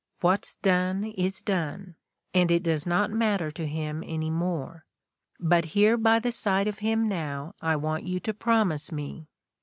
'What's done is done, and it does not matter to him any more ; but here by the side of him now I want you to promise me